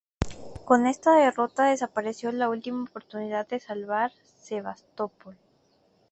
Con esta derrota desapareció la última oportunidad de salvar Sebastopol.